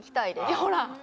ほら！